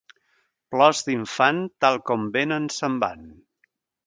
Plors d'infant, tal com venen, se'n van.